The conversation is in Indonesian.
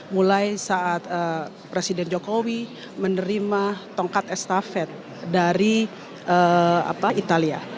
mulai saat presiden jokowi menerima tongkat estafet dari italia